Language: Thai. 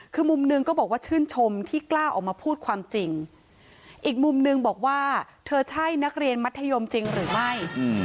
คือมุมหนึ่งก็บอกว่าชื่นชมที่กล้าออกมาพูดความจริงอีกมุมหนึ่งบอกว่าเธอใช่นักเรียนมัธยมจริงหรือไม่